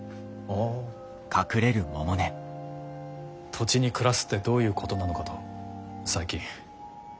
土地に暮らすってどういうことなのかと最近。